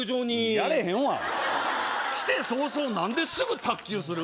やれへんわ来て早々何ですぐ卓球する？